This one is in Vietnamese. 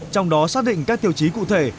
trong đó xác định các tiêu chí cụ thể